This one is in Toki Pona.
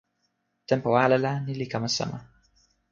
tenpo ale la ni li kama sama.